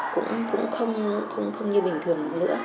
cũng không như bình thường nữa